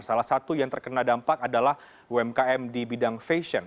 salah satu yang terkena dampak adalah umkm di bidang fashion